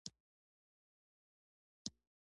د دوی ارزوګانو دفاع وکړي